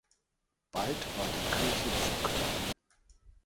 Bald war die Kirche zu klein.